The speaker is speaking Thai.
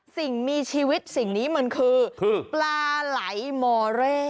สิ่งมีชีวิตสิ่งนี้มันคือปลาไหลมอเร่